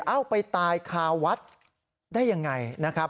เอาไปตายคาวัดได้ยังไงนะครับ